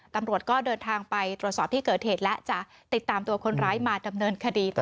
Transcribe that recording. ตำรวจก็เดินทางไปตรวจสอบที่เกิดเหตุและจะติดตามตัวคนร้ายมาดำเนินคดีต่อ